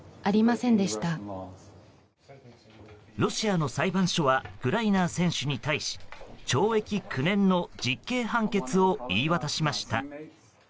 ロシアの裁判所はグライナー選手に対し懲役９年の実刑判決を言い渡しました。